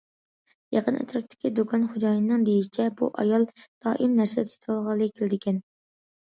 يېقىن ئەتراپتىكى دۇكان خوجايىنىنىڭ دېيىشىچە، بۇ ئايال دائىم نەرسە سېتىۋالغىلى كېلىدىكەن.